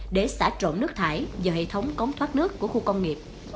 để xả trộn nước thải vào hệ thống cống thoát nước của khu công nghiệp